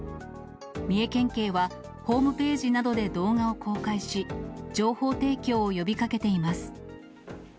三重県警は、ホームページなどで動画を公開し、情報提供を呼びかけています。